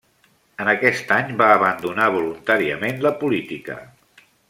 En aquest any va abandonar voluntàriament la política.